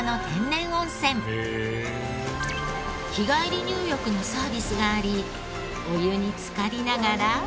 日帰り入浴のサービスがありお湯につかりながら。